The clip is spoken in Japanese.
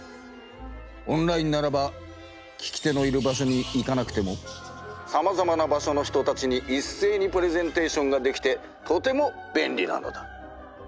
オンラインならば聞き手のいる場所に行かなくてもさまざまな場所の人たちにいっせいにプレゼンテーションができてとてもべんりなのだ。